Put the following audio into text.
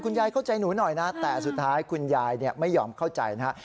ยายเข้าใจหนูหน่อยนะแต่สุดท้ายคุณยายไม่ยอมเข้าใจนะฮะ